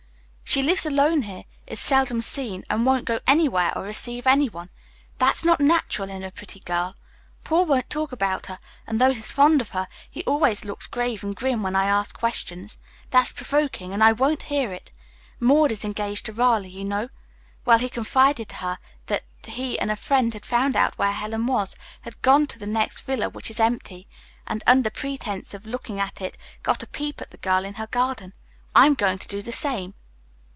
"She lives alone here, is seldom seen, and won't go anywhere or receive anyone. That's not natural in a pretty girl. Paul won't talk about her, and, though he's fond of her, he always looks grave and grim when I ask questions. That's provoking, and I won't hear it. Maud is engaged to Raleigh, you know; well, he confided to her that he and a friend had found out where Helen was, had gone to the next villa, which is empty, and under pretense of looking at it got a peep at the girl in her garden. I'm going to do the same."